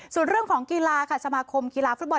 ส่วนเรื่องของกีฬาค่ะสมาคมกีฬาฟุตบอล